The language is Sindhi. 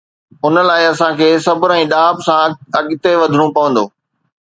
ان لاءِ اسان کي صبر ۽ ڏاهپ سان اڳتي وڌڻو پوندو.